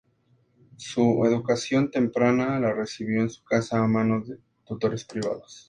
Su educación temprana la recibió en su casa a manos de tutores privados.